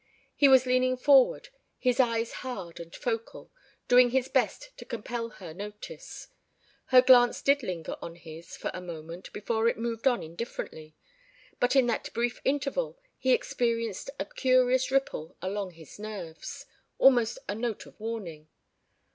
He was leaning forward, his eyes hard and focal, doing his best to compel her notice. Her glance did linger on his for a moment before it moved on indifferently, but in that brief interval he experienced a curious ripple along his nerves ... almost a note of warning.